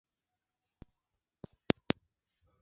Wanyama wenye maambukizi ya homa ya mapafu